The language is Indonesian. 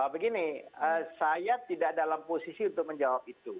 begini saya tidak dalam posisi untuk menjawab itu